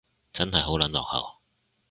真係好撚落後